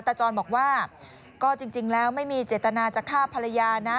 จรบอกว่าก็จริงแล้วไม่มีเจตนาจะฆ่าภรรยานะ